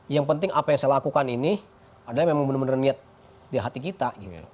yang penting apa yang saya lakukan ini adalah memang benar benar niat di hati kita